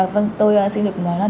và tôi sẽ được nói là